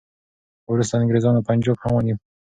خو وروسته انګریزانو پنجاب هم ونیو.